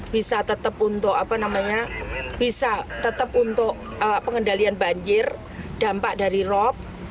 bisa tetap untuk pengendalian banjir dampak dari rop